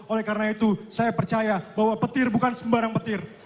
oleh karena itu saya percaya bahwa petir bukan sembarang petir